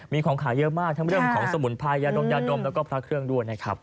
มีของขายเยอะมากทั้งเรื่องของสมุนไพรยาดมยาดมแล้วก็พระเครื่องด้วยนะครับ